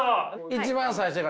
一番最初が。